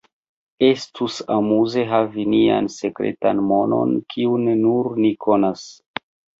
Estus amuze havi nian sekretan monon kiun nur ni konas.